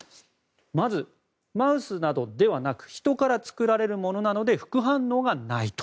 まず、マウスなどではなくヒトから作られるものなので副反応がないと。